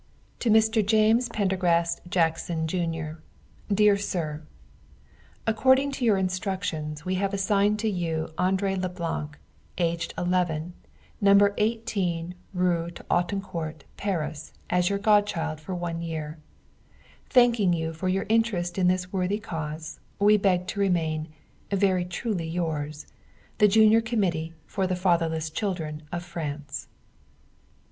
To Mr. James Prendergast Jackson Jr. Dear Sir: According to your instructions, we have assigned to you André Leblanc, aged 11, No. 18 rue d'Autancourt, Paris, as your godchild for one year. Thanking you for your interest in this worthy cause, we beg to remain Very truly yours, The Junior Committee for the Fatherless Children of France.